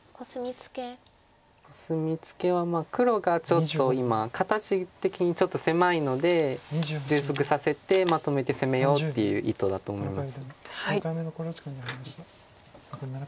コスミツケは黒がちょっと今形的にちょっと狭いので重複させてまとめて攻めようっていう意図だと思います。